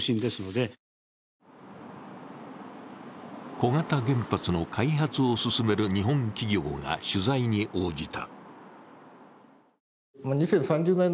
小型原発の開発を進める日本企業が取材に応じた。